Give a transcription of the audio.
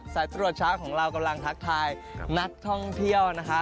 สายตรวจช้างของเรากำลังทักทายนักท่องเที่ยวนะคะ